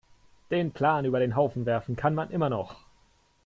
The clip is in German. Den Plan über den Haufen werfen kann man immer noch.